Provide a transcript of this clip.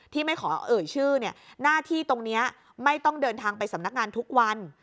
ไม่ขอเอ่ยชื่อหน้าที่ตรงนี้ไม่ต้องเดินทางไปสำนักงานทุกวัน